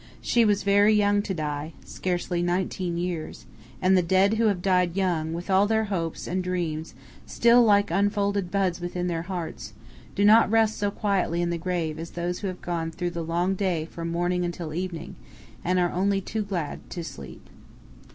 She was very young to die scarcely nineteen years; and the dead who have died young, with all their hopes and dreams still like unfolded buds within their hearts, do not rest so quietly in the grave as those who have gone through the long day from morning until evening and are only too glad to sleep.